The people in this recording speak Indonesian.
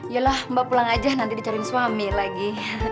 yalah mbak pulang aja nanti dicariin suami lagi